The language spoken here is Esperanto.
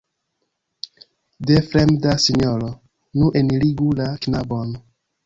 De fremda sinjoro? Nu, enirigu la knabon.